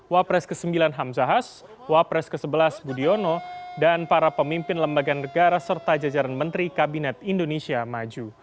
wapres ke sembilan hamzahas wapres ke sebelas budiono dan para pemimpin lembaga negara serta jajaran menteri kabinet indonesia maju